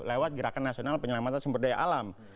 lewat gerakan nasional penyelamatan sumber daya alam